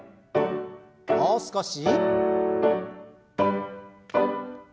もう少し。